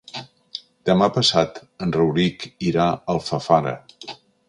Demà passat en Rauric irà a Alfafara.